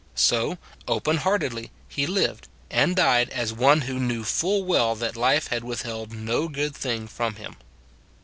So, open heartedly, he lived, and died as one who knew full well that life had withheld no good thing from him.